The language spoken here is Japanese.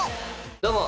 どうも。